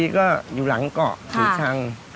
ก็อยู่หลังเกาะศรีชัง